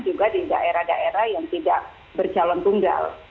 juga di daerah daerah yang tidak bercalon tunggal